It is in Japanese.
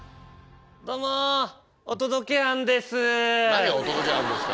何がお届け庵ですか。